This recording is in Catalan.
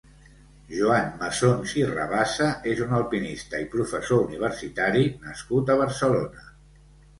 Joan Massons i Rabassa és un alpinista i professor universitari nascut a Barcelona.